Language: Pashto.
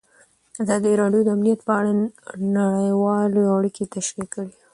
ازادي راډیو د امنیت په اړه نړیوالې اړیکې تشریح کړي.